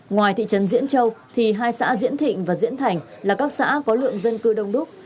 ngoài thị trấn diễn châu thì hai xã diễn thịnh và diễn thành là các xã có lượng dân cư đông đúc